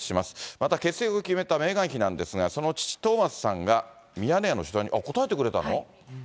また欠席を決めたメーガン妃なんですが、その父、トーマスさんがミヤネ屋の取材に、あっ、答えてくれたの？